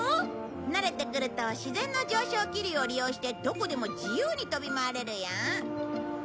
慣れてくると自然の上昇気流を利用してどこでも自由に飛び回れるよ。